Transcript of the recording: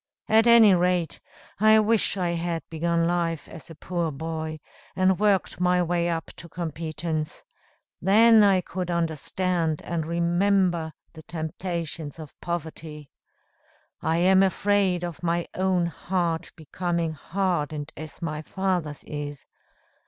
At any rate, I wish I had begun life as a poor boy, and worked my way up to competence. Then I could understand and remember the temptations of poverty. I am afraid of my own heart becoming hardened as my father's is.